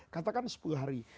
katakan sepuluh hari